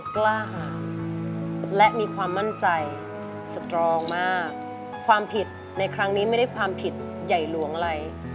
เฟิร์สจะร้องผิดนะ